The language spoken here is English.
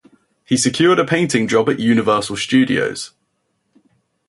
He secured a painting job at Universal Studios.